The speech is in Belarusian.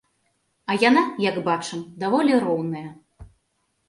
А яна, як бачым, даволі роўная.